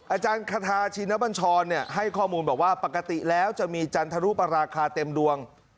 อาจารย์คาทาชินบัญชรให้ข้อมูลบอกว่าปกติแล้วจะมีจันทรุปราคาเต็มดวง